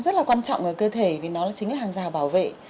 da thì là một bộ phận rất là quan trọng ở cơ thể vì nó chính là hàng rào bảo vệ